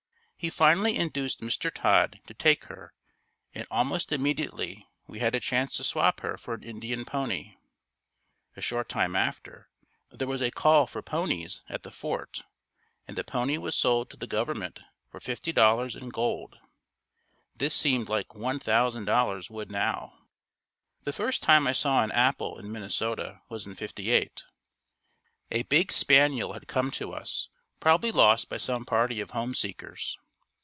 He finally induced Mr. Todd to take her and almost immediately, we had a chance to swap her for an Indian pony. A short time after, there was a call for ponies at the fort and the pony was sold to the Government for $50.00 in gold. This seemed like $1,000.00 would now. The first time I saw an apple in Minnesota was in '58. A big spaniel had come to us, probably lost by some party of homeseekers.